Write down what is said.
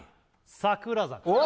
「桜坂」